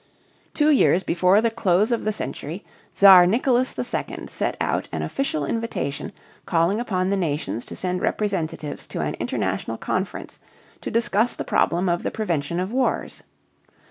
Two years before the close of the century Czar Nicholas II sent out an official invitation calling upon the nations to send representatives to an international conference to discuss the problem of the prevention of wars.